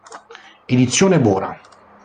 Edizione Bora.